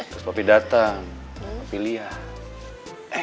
terus papi datang mama adriana langsung ke tinggalnya